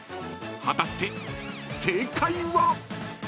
［果たして正解は？］